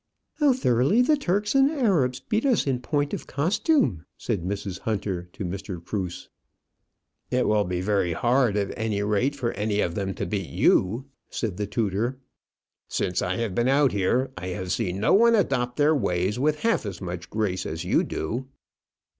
"How thoroughly the Turks and Arabs beat us in point of costume," said Mrs. Hunter to Mr. Cruse. "It will be very hard, at any rate, for any of them to beat you," said the tutor. "Since I have been out here, I have seen no one adopt their ways with half as much grace as you do."